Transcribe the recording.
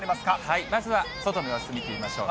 まずは外の様子見てみましょう。